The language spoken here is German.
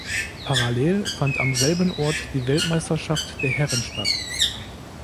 Parallel fand am selben Ort die Weltmeisterschaft der Herren statt.